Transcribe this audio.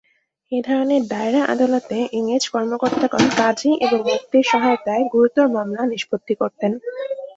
এ ধরনের দায়রা আদালতে ইংরেজ কর্মকর্তাগণ কাজী এবং মুফতীর সহায়তায় গুরুতর মামলা নিষ্পত্তি করতেন।